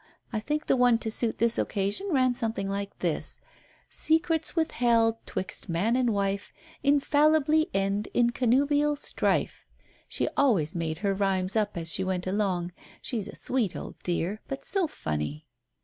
I think the one to suit this occasion ran something like this 'Secrets withheld 'twixt man and wife, Infallibly end in connubial strife.' "She always made her rhymes up as she went along. She's a sweet old dear, but so funny."